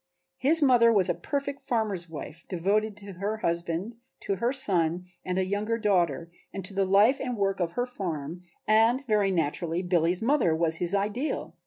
His mother was a perfect farmer's wife, devoted to her husband, to her son and a younger daughter, and to the life and work of her farm and very naturally Billy's mother was his ideal.